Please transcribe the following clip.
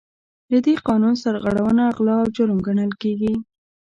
له دې قانون سرغړونه غلا او جرم ګڼل کیږي.